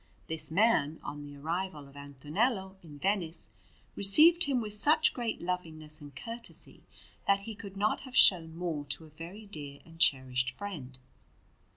This man, on the arrival of Antonello in Venice, received him with such great lovingness and courtesy, that he could not have shown more to a very dear and cherished friend.